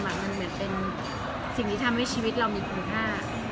มันเหมือนเป็นสิ่งที่ทำให้ชีวิตเรามีคุณค่า